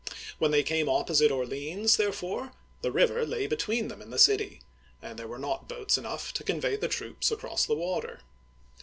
When they came opposite Orleans, therefore, the river lay between them and the city, and there were not boats enough to convey the troops across the water